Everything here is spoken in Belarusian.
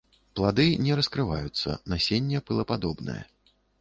Плады не раскрываюцца, насенне пылападобнае.